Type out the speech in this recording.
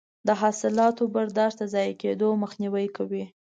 د حاصلاتو برداشت د ضایع کیدو مخنیوی کوي.